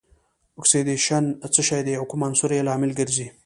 اکسیدیشن څه شی دی او کوم عنصر یې لامل ګرځي؟